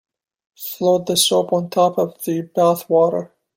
Float the soap on top of the bath water.